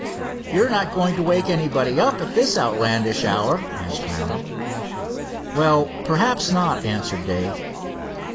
"You're not going to wake anybody up at this outlandish hour?" asked Hiram. "Well, perhaps not," answered Dave.